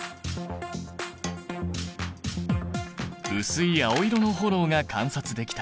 薄い青色の炎が観察できた。